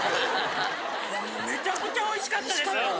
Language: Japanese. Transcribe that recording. めちゃくちゃおいしかったです。